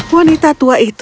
wanita tua itu